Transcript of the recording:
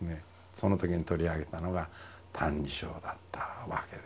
そのときに取り上げたのが「歎異抄」だったわけですね。